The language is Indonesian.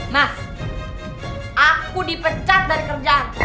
mas aku dipecat dari kerjaan